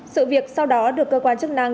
sự việc sau đó được cơ quan chức năng